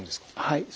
はい。